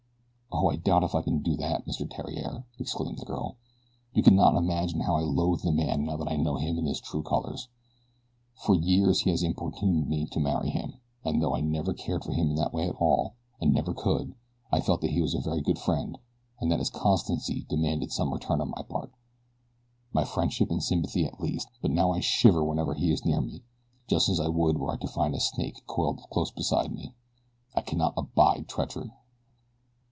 "Oh, I doubt if I could do that, Mr. Theriere," exclaimed the girl. "You cannot imagine how I loathe the man now that I know him in his true colors. For years he has importuned me to marry him, and though I never cared for him in that way at all, and never could, I felt that he was a very good friend and that his constancy demanded some return on my part my friendship and sympathy at least; but now I shiver whenever he is near me, just as I would were I to find a snake coiled close beside me. I cannot abide treachery."